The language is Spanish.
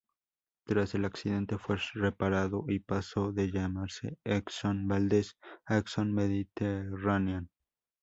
Tras el accidente fue reparado y pasó de llamarse "Exxon Valdez" a "Exxon Mediterranean".